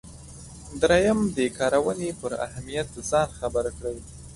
دریم د کارونې پر اهمیت ځان خبر کړئ.